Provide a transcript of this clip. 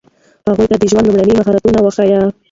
هغوی ته د ژوند لومړني مهارتونه وښایئ.